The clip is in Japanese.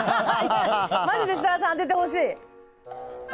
マジで設楽さん、当ててほしい。